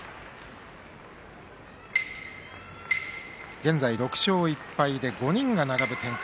現在、６勝１敗で５人が並ぶ展開。